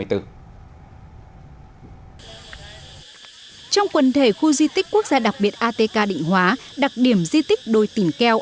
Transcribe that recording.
trong quần thể khu di tích quốc gia đặc biệt atk định hóa đặc điểm di tích đồi tỉnh keo